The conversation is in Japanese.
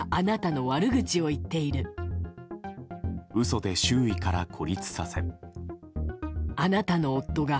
嘘で周囲から孤立させ。